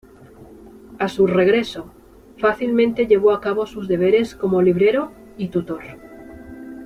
A su regreso, fácilmente llevó a cabo sus deberes como librero y tutor.